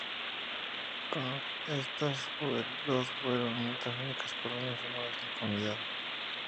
C; estas dos fueron las únicas colonias romanas en la Comunidad.